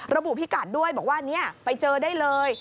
ระบุพี่กัดด้วยบอกว่านี่ไปเจอได้เลย